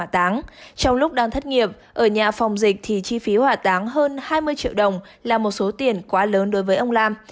trong lúc đang thất nghiệp ở nhà phòng dịch thì chi phí hỏa táng hơn hai mươi triệu đồng là một số tiền quá lớn đối với ông lam